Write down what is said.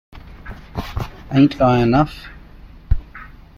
Ain't I enough?